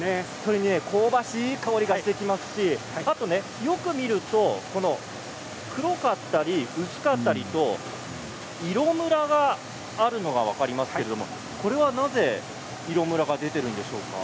香ばしいいい香りがしてきますしあと、よく見ると黒かったり薄かったりと色ムラがあるのが分かりますけれども、これはなぜ色ムラが出ているんですか？